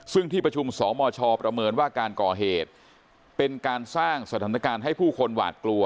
ซึ่งที่ประชุมสมชประเมินว่าการก่อเหตุเป็นการสร้างสถานการณ์ให้ผู้คนหวาดกลัว